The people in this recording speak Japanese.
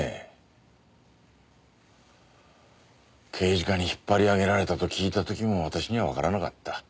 刑事課に引っ張り上げられたと聞いた時も私にはわからなかった。